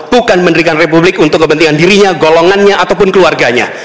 bukan mendirikan republik untuk kepentingan dirinya golongannya ataupun keluarganya